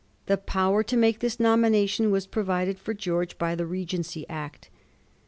The power to make this nomination was provided for George by the Regency Act.